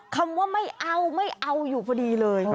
คำว่าไม่เอาไม่เอาอยู่พอดีเลย